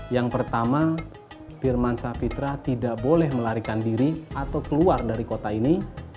yang pertama firman sapitra tidak boleh melarikan diri atau keluar dari kota ini